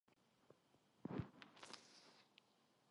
그리고 호미로 땅을 푹 파올리며 가라지를 얼핏 뽑아 던졌다.